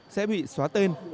sẽ bị xóa tên